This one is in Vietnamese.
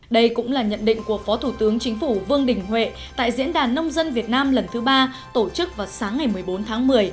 đây cũng là nhận định của phó thủ tướng chính phủ vương đình huệ tại diễn đàn nông dân việt nam lần thứ ba tổ chức vào sáng ngày một mươi bốn tháng một mươi